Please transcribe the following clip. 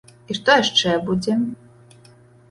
І што яшчэ будзе?